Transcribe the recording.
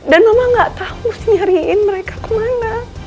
dan mama nggak tau sih nyariin mereka kemana